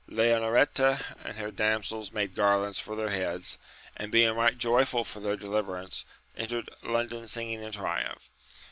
Leonoreta and her damsels made garlands for their heads, and being right joyful for their deliverance entered Lon don singing in triumph.